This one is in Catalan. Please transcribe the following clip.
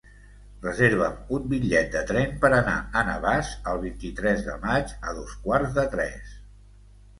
Reserva'm un bitllet de tren per anar a Navàs el vint-i-tres de maig a dos quarts de tres.